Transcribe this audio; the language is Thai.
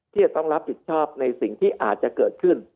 ที่จะต้องรับผิดชอบในสิ่งที่อาจจะเกิดขึ้น